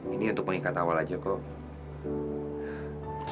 ini untuk mengikat awal aja kok